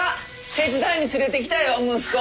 手伝いに連れてきたよ息子。